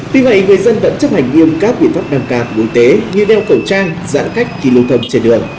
tuy vậy người dân vẫn chấp hành nghiêm cáp biện pháp năm k quốc tế như đeo khẩu trang giãn cách khi lưu thông trên đường